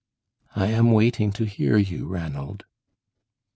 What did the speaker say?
I am waiting to hear you, Ranald."